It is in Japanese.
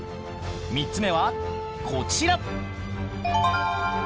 ３つ目はこちら！